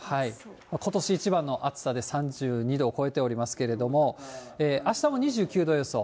ことし一番の暑さで、３２度を超えておりますけれども、あしたも２９度予想。